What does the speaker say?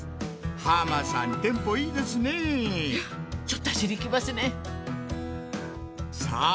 浜さんテンポいいですねぇいやちょっと脚にきますねさあ